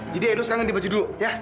jadi edo sekarang nanti baju dulu ya